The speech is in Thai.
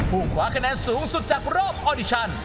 ผู้คว้าคะแนนสูงสุดจากรอบออดิชัน